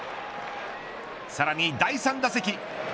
さらに第３打席。